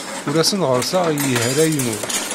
Ur asen-ɣerrseɣ i yehray-nwen.